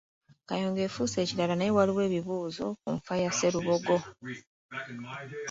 Kayunga efuuse ekirala naye waliwo ebibuuzo ku nfa ya Sserubogo.